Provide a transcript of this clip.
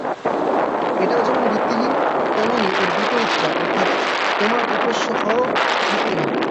এটাও যেমন ভিত্তিহীন, তেমনি এর বিপরীতটা অর্থাৎ তোমার উপাস্য হওয়াও ভিত্তিহীন।